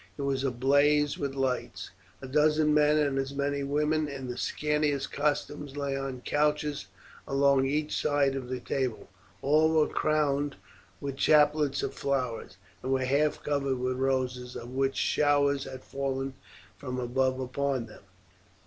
It was ablaze with lights. A dozen men and as many women, in the scantiest costumes, lay on couches along each side of the table. All were crowned with chaplets of flowers, and were half covered with roses, of which showers had fallen from above upon them.